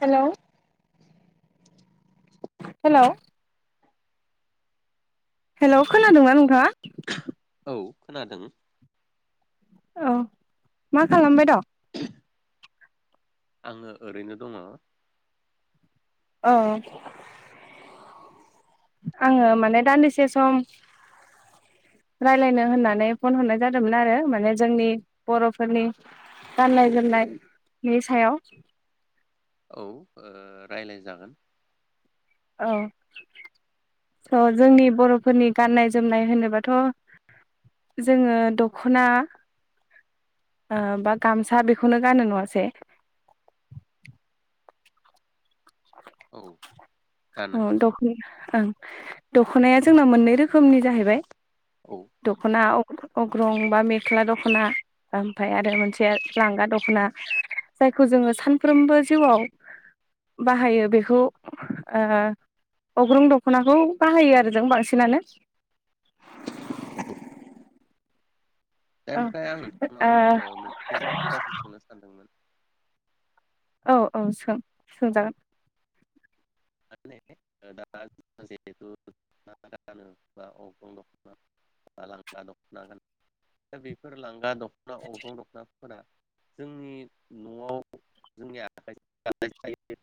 Hello hello hello खोनादोंना नोंथाङा औ खोनादों। औ मा खालामबाय दं? आंङो ओरैनो दङ। औ आंङो माने दान्दिसे सम रायलायनो होननानै फन हरनाय जादोंमोन आरो माने जोंनि बर'फोरनि गाननाय जोमनायनि सायाव। औ ओ रायलाय जागोन। औ स' जोंनि बर'फोरनि गाननाय जोमनाय होनोबाथ' जोंङो दखना ओ बा गामसा बेखौनो गानो नङासै? औ अ गानो दख ओं दखनाया जोंनाव मोननै रोखोमनि जाहैबाय। औ दख्ना अग्रं बा मेख्ला दख्ना ओमफाय आरो मोनसे लांगा दख्ना जायखौ जोंङो सानफ्रोमबो जिउआव बाहायो बेखौ ओ अग्रुं दख्नाखौ बाहायो आरो जों बांसिनानो। ओ ओमफाय आं नोंथांनाव ओ मोनसे बाथ्रासो सोंनो सानदोंमोन। औ औ सों सोंजागोन। माने दा जिहेथु दख'ना गानो बा अग्रं दख'ना बा लांग्रा दख'ना गानो दा बेफोर लांगा द ख्ना अग्रं दखना फोरा जोंनि न'आव जोंनि [unintelligible]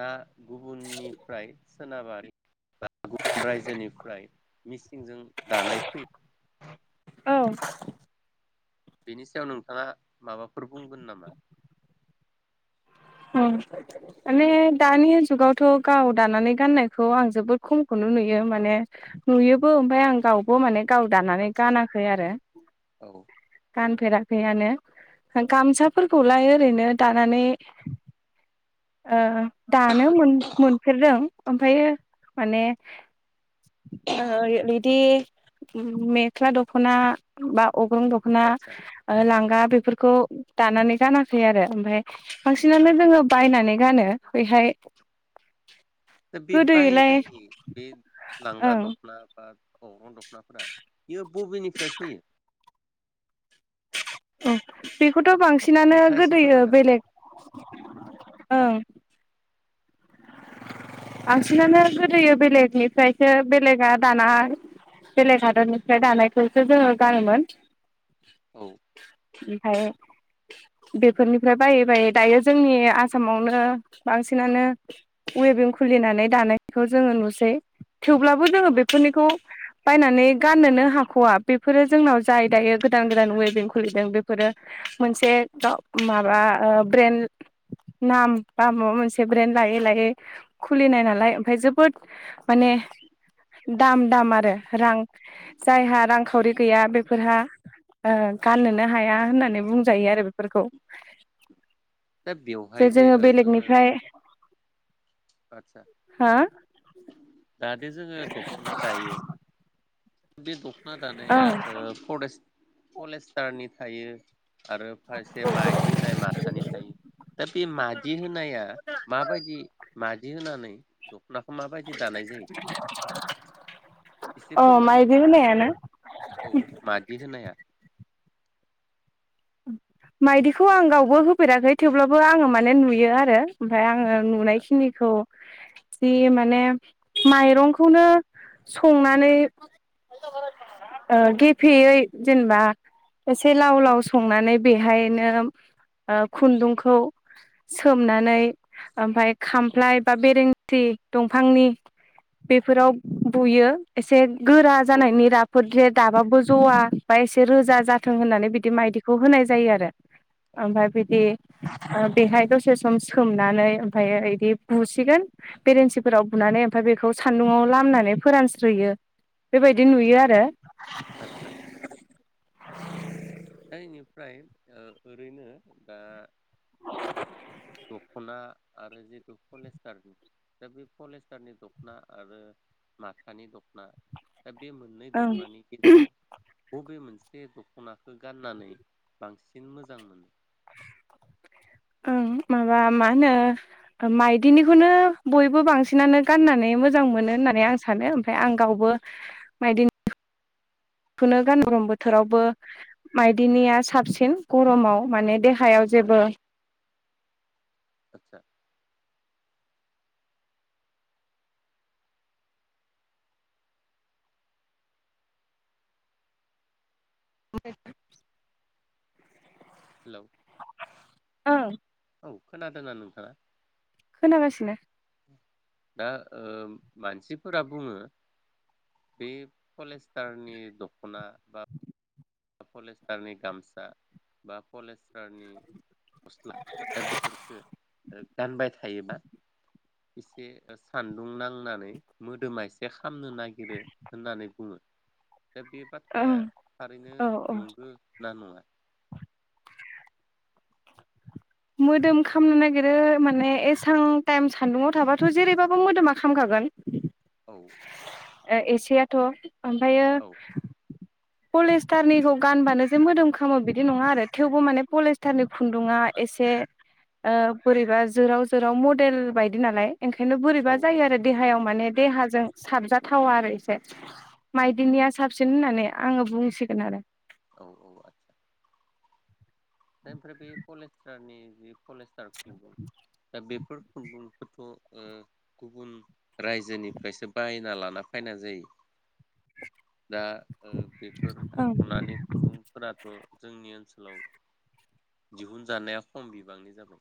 ना गुबुननिफ्राय सोनाबारि बा गुबुन रायजोनिफ्राय मिस जों दानाय फै औ। बेनि सायाव नोंथांङा माबाफोर बुंगोन नामा? ओं माने दानि जुगावथ' गाव दानानै गाननायखौ आं जोबोद खमखौनो नुयो माने नुयोबो ओमफाय आं गावबो माने गाव दानानै आदसा गानाखै आरो औ गान फेराखैआनो गामसाफोरखौलाय ओरैनो दानानै ओ दानो मोनफेरदों ओमफायो माने ओ बिदि मेख्ला दख्ना बा अग्रं दख्ना आदसा ओ लांगा बेफोरखौ दानानै गानाखै आरो ओमफाय बांसिनानो जोंङो बायनानै गानो बेहाय दा बे गोदोयैलाय बायनाय बे लांगा ओं दख्ना बा अग्रं द ख्नाफोरा बियो बबेनिफ्राय फैयो? उम बिफो थ' बांसिनानो नोंथाङा एसे गोदोयो फोरमायनो हागौमोन बेलेग ओं। बांसिनानो गोदोयो बेलेगनिफ्रायसो बेलेगा दाना बेलेग हादरनिफ्राय दानायखौसो जोंङो गानोमोन। औ [inaudible] ओमफाय बेफोरनिफ्राय बायै बायै दायो जोंनि आसामावनो बांसिनानो वेभिं खुलिनानै दानायखौ जोंङो नुसै। थेवब्लाबो जोंङो औ बेफोरनिखौ बायनानै गाननोनो हाखवा बेफोरो जोंनाव जाय दायो गोदान गोदान वेबें खुलिदों बेफोरो मोनसे गाव माबा ओ ब्रेन्ड नाम बा माबा मोनसे ब्रेन्ड लायै लायै खुलिनाय नालाय ओमफ्राय जोबोद माने उ दाम दाम आदसा आरो रां जायहा रांखावरि गैया बेफोरहा ओ गाननोनो हाया होननानै बुंजायो आरो बेफोरखौ दा बेवहाय जे ओ जोङो आतसा हो जे जोङो दखना दायो बे दख ना औ दानाया ओ फद्रेस पलेस्टारनि थायो आरो फारसे मायदि होनाय माथानि थायो दा बे मादि होनाया माबायदि? मादि होनानै दखना खोमाबायदि दानाय जायो एसे अ फोरमायना माइदि हागोमोन होनायानो ना औ मादि होनाया माइदिखौ आं गावबो होफेराखै थेवब्लाबो आङो माने नुयो आरो ओमफाय आङो नुनायखिनिखौ जि माने माइरंखौनो संनानै ओ गेफेयै जेनेबा एसे लाव लाव स संनानै बेहायनो ओ खुन्दुंखौ सोमनानै ओमफाय खामफ्लाय बा बेरेंथि दंफांनि बेफोराव बुयो एसे गोरा औ जानायनि राफोद जे दाबाबो जवा बा एसे औ रोजा जाथों होननानै बिदि माइदि खौ होनाय जायो आरो आदसा ओमफाय बिदि ओ बेहाय दसे सम सोमनानै ओमफायो इदि बुसिगोन बेरेन्सिफोराव बुनानै ओमफाय बेखौ सान्दुंङाव लामनानै फोरानस्रोयो बेबायदि नुयो आदसा आरो आदसा दा इनिफ्राय ओ ओरैनो दा दखना आरो जितु पलेस्टार दा बे पलेस्टारनि दखना आरो माथानि दखना दा बे मोननै ओं दखनानि गेजेराव बबे मोनसे से दखनाखो गाननानै बांसिन मोजां मोनो ओं माबा मा होनो माइदिनिखौनो बयबो बांसिनानो गाननानै मोजां मोनो होननानै आं सानो ओमफाय आं गावबो माइदिनि खोनो गानो गरम बोथोरावबो माइदिनिया साबसिन गरमाव माने देहायाव आदसा जेबो आतसा [unintelligible] हेलौ ओ खोनादोना नोंथाङा? खोनागासिनो दा ओ मानसिफोरा बुङो बे पलेस्टारनि दखना बा पलेस्टारनि गामसा बा पलेस तार गस्ला दा बेफोरखौ ओ गानबाय था थायोबा एसे सान्दुं नांनानै मोदोमा एसे खामनो नागिरो होननानै बुङो दा बे बाथ्राया ओं थारैनो औ औ नंगो ना नङा मोदोम खामनो नागिरो माने एसां टाइम सान्दुंआव थाबाथ' जेरैबाबो मोदोमा खामखागोन। औ ओ एसेयाथ' ओमफायो औ पलिस्टारनिखौ गानबानो जे मोदोम खामो बिदि नङा आरो थेवबो माने पलिस्टारनिखौ खुन्दुङा आदसा एसे ओ बोरैबा जोराव-जोराव मडेल बायदि नालाय ओंखायनो औ बोरैबा औ जायो आरो देहायाव माने देहाजों साबजाथावा आरो एसे माइदिनिया साबसिन होननानै आङो बुंसिगोन आरो औ औ आतसा ओमफ्राय बे पलिस्टारनि जिखौ पलिस्टार खुुनदुं दा बेफोर खुन्दुंखौथ' ओ गुबुन रायजोनिफ्रायसो बायना लाना फैनाय जायो दा ओ बेफोर ओं दख'नानि खुुनदुंफोराथ' जोंनि ओनसोलाव दिहुनजानाया खम बिबांनि जाबाय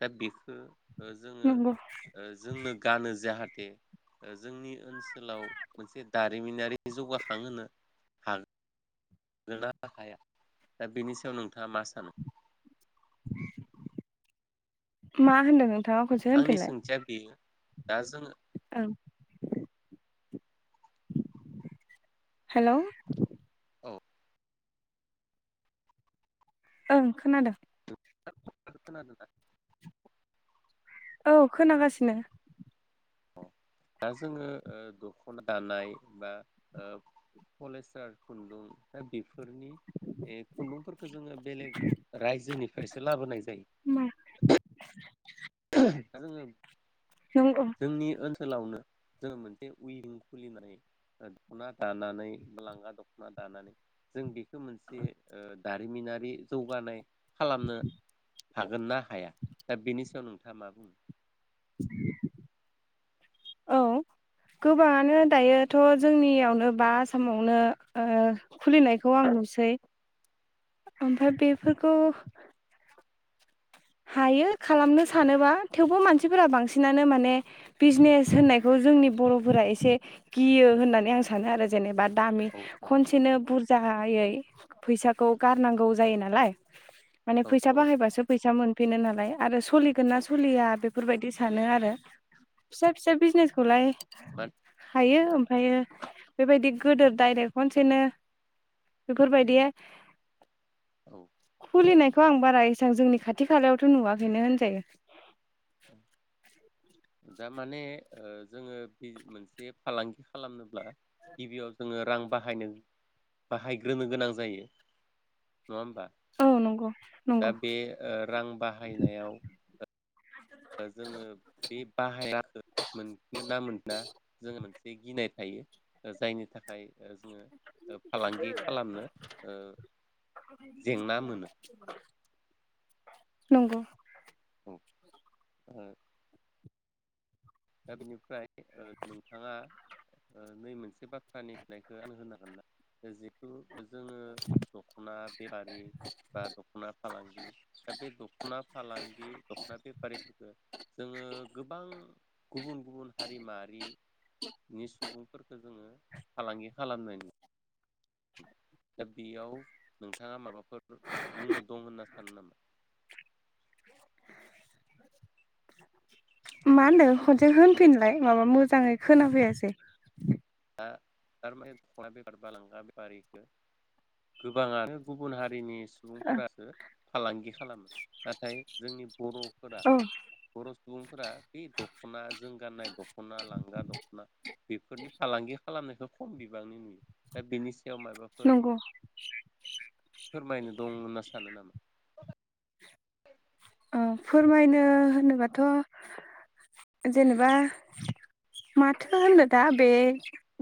दा बेखो ओ जोङो नंगौ जोंनो गानो जाहाथ [unintelligible] जोंनि ओनसोलाव मोनसे दारिमिनारि जौगाखांहोनो हाग हागोन ना हाया दा बेनि सायाव नोंथाङा मा सानो मा होनदों [unintelligible] आंनि होनफिनलाय सोंथिया बेयो दा जोङो ओं हेलौ औ ओं खोनादों [unintelligible] खोनादो ना औ खोनागासिनो अ दा जोङो ओ दख'ना दानाय बा ओ पलिस्टार खुन्दुं दा बेफोर फोरनि बे खुन्दुंफोरखौ जोङो बेलेग रायजोनिफ्रायसो लाबोनाय मा जायो दा जोङो नंगौ जोंनि ओनसो सोलावनो जोङो मोनसे उइबिं खुलिनानै ओ दख'ना दानानै लांगा दख'ना दानानै जों बे [unintelligible] मोनसे ओ जारिमिनारि जौगानाय खालामनो हागोन ना हाया? दा बेनि सायाव नों थाङा मा बुङो? औ गोबाङानो दायोथ' जोंनियावनो बा आसामावनो ओ खुलिनायखौ आं नुसै। ओमफाय बेफोरखौ हायो खालामनो सानोबा, थेवबो मानसिफोरा बांसिनानो माने बिजनेस होननायखौ जोंनि बर'फोरा एसे गियो होननानै आं सानो आरो जेनेबा। दामि औ औ खनसेनो बुर जाहायै फैसाखौ गारनांगौ जायो नालाय माने औ फैसा औ बाहायबासो फैसा मोन फिनो नालाय आरो सलिगोन ना औ सलिया बेफोरबायदि सानो आरो फिसा फिसा बिजनेसखौलाय मान हायो फायो बेबायदि गोदोर आदसा डाइरेक्ट खनसेनो बेफोर बायदि औ खुलि नाय खौ आं बारा एसां जोंनि खा थि खालायावथ' नुवाखैनो होनजायो। दा माने ओ जोङो बि मोनसे फालांगि खालामनोब्ला गिबियाव जोङो रां बाहायनो बाहायग्रोनो गोनां जायो। नङा होमबा औ नंगौ दा नंगौ बे ओ रां बाहायनायाव जोङो बे [unintelligible] बाहायाखो मोनगोन ना मोना जोङो मोनसे गिनाय थायो। जायनि थाखाय ओ जोङो ओ फालांगि खालामनो ओ जेंना मोनो। नंगौ अ दा बेनिफ्राय ओ नोंथाङा ओ नै मोनसे बाथ्रानि फिनायखौ आं होनो हागोन ना? जिथु जोङो दख'ना बेफारि बा दख'ना फालांगि दा बे दख'ना फालांगि दख'ना बेफारिफोरखो जोङो गोबां गुबुन गुबुन हारि माहारिनि सुबुंफोरखो जोङो फालांगि खालामनाय नु दा बेयाव नोंथाङा माबाफोर बुंनो दं होनना सानो नामा? मा होनदो? खनसे होनफिनलाय माबा मोजाङै खोनाफैयासै। दा थारमाने [unintelligible] बेफार बा लांगा बेफारिखो गोबाङानो गुबुन हारिनि सुबुंफोरासो फालांगि खालामो नाथाय जोंनि बर' औ बर' सुबुंफोरा बे दख'ना जों गाननाय दख'ना लांगा दख'ना बेफोरनि फालांगि खालामनायखौ खम बिबांनि नुयो। दा बेनि सायाव माबाफोर नंगौ। फोरमायनो दं होनना सानो नामा? ओ फोरमायनो होनोबाथ' जेनेबा माथो होननो दा? बे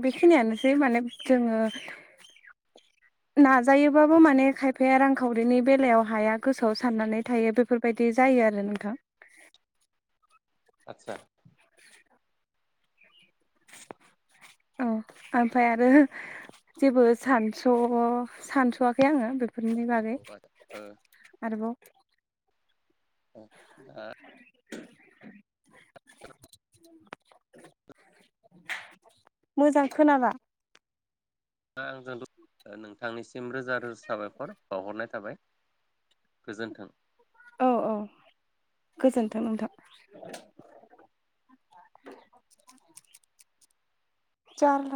बेखिनियानोसै माने जोङो नाजायोबाबो माने खायफाया रांखावरिनि बेलायाव हाया गोसोआव साननानै थायो बेफोर बायदि जायो आरो नोंथां। आतसा? औ आमफ्राय आरो जेबो सानस' सानस'वाखै आङो बे फोरनि बागै। औ आं आरोबाव [inaudible] मोजां खोला आंजों द नोंथांनिसिम रोजा रोजा साबायखर बावहरनाय थाबाय गोजोन्थों। औ औ गोजोन्थों नोंथां। जारला